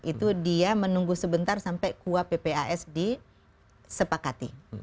itu dia menunggu sebentar sampai kuap ppas disepakati